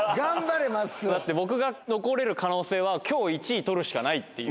だって、僕が残れる可能性は、きょう１位を取るしかないっていう。